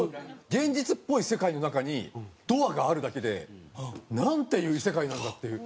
現実っぽい世界の中にドアがあるだけでなんていう異世界なんだっていう。